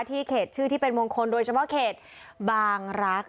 เขตชื่อที่เป็นมงคลโดยเฉพาะเขตบางรัก